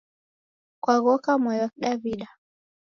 Kwaghoka mwai wa Kidaw'ida.